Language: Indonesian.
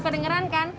kalian dengeran kan